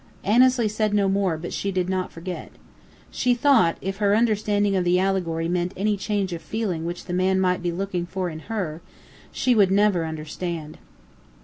Annesley said no more, but she did not forget. She thought, if her understanding of the allegory meant any change of feeling which the man might be looking for in her, she would never understand.